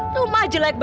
rumah jelek begitu ya